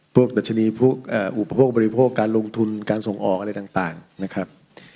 ดัชนีอุปโภคบริโภคการลงทุนการส่งออกอะไรต่างนะครับ